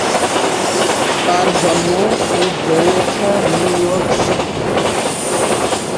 তার জন্ম ও বেড়ে ওঠা নিউ ইয়র্ক সিটিতে।